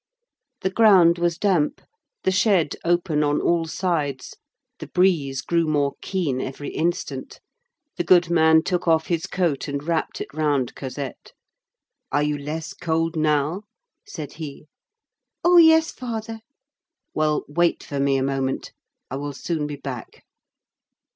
The ground was damp, the shed open on all sides, the breeze grew more keen every instant. The goodman took off his coat and wrapped it round Cosette. "Are you less cold now?" said he. "Oh, yes, father." "Well, wait for me a moment. I will soon be back."